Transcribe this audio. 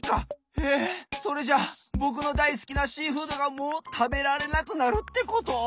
えっそれじゃぼくのだいすきなシーフードがもうたべられなくなるってこと！？